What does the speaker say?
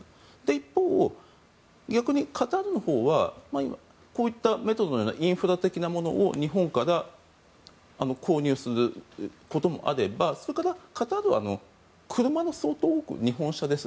一方、逆にカタールのほうはこういったメトロのようなインフラ的なものを日本から購入することもあればそれからカタールは車の相当多くが日本車です。